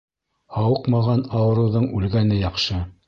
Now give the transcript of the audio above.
Һауыҡмаған ауырыуҙың үлгәне яҡшы.